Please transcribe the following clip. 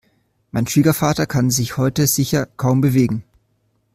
Mein Schwiegervater kann sich heute sicher kaum bewegen.